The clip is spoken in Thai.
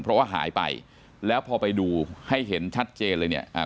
เพราะว่าหายไปแล้วพอไปดูให้เห็นชัดเจนเลยเนี่ยอ่า